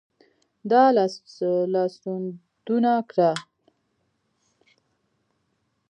دا لاسوندونه کره او بډایه معلومات په لاس راکوي.